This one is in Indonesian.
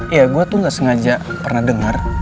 iya gue tuh gak sengaja pernah dengar